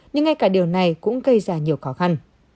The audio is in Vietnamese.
nhưng ngay cả điều này cũng gây ra nhiều khó khăn